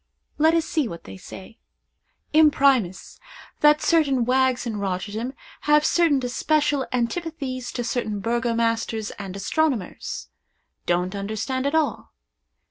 Let us see what they say: Imprimus. That certain wags in Rotterdam have certain especial antipathies to certain burgomasters and astronomers. Don't understand at all.